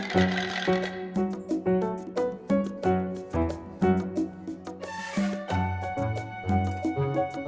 kamu udah dijalan